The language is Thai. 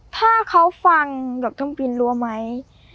ถ้าเขาฟังยกต้องปีนรั้วไหม